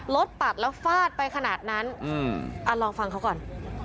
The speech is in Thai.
ปัดแล้วฟาดไปขนาดนั้นลองฟังเขาก่อน